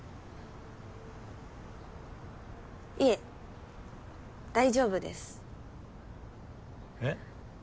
いえ大丈夫です。え？